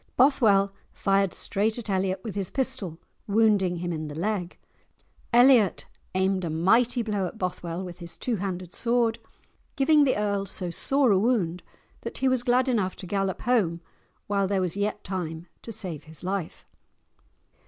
Bothwell fired straight at Elliot with his pistol, wounding him in the leg. Elliot aimed a mighty blow at Bothwell with his two handed sword, giving the earl so sore a wound that he was glad enough to gallop home while there was yet time to save his life.